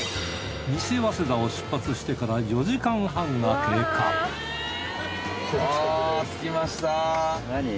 西早稲田を出発してから４時間半が経過あ着きました。